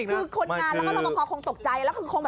น้องมีแสดงหมายแล้วนะ